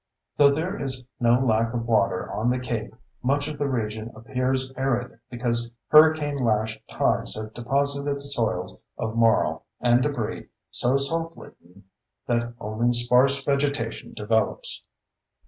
Though there is no lack of water on the cape, much of the region appears arid because hurricane lashed tides have deposited soils of marl and debris so salt laden that only sparse vegetation develops.